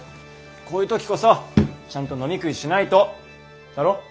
こういう時こそちゃんと飲み食いしないとだろ？